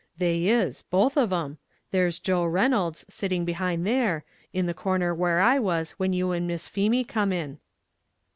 "They is, both of 'em; there's Joe Reynolds, sitting behind there in the corner where I was when you and Miss Feemy come in."